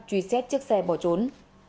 truy xét chiếc xe bỏ trốn